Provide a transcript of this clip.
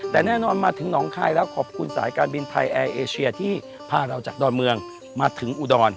แต่แน่นอนมาถึงหนองคายแล้วขอบคุณสายการบินไทยแอร์เอเชียที่พาเราจากดอนเมืองมาถึงอุดร